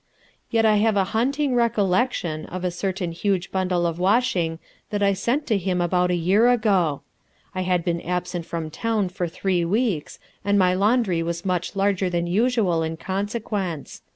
Yet I have a haunting recollection of a certain huge bundle of washing that I sent to him about a year ago. I had been absent from town for three weeks and my laundry was much larger than usual in consequence.